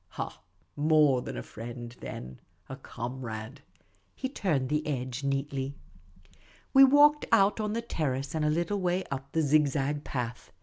" Ha ! more than a friend, then. A comrade." He turned the edge neatly. We walked out on the terrace and a little way up the zig zag path.